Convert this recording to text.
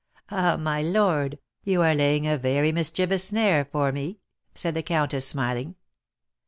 "Ah, my lord, you are laying a very mischievous snare for me," said the countess, smiling.